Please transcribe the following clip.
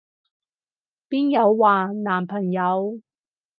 邊有話男朋友？